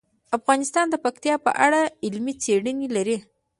افغانستان د پکتیا په اړه علمي څېړنې لري.